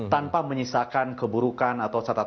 tanpa menyisakan keburukan atau catatan